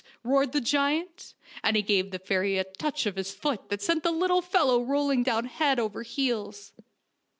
" roared the giant, and he gave the fairy a touch of his foot that sent the little fellow rolling down head over heels.